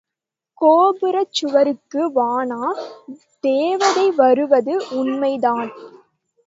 கோபுரச் சுவருக்கு வான தேவதை வருவது உண்மைதான்.